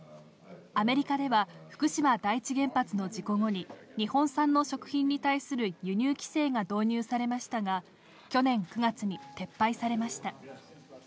アメリカでは福島第一原発の事故後に、日本産の食品に対する輸入規制が導入されましたが、去年９月に撤廃されました。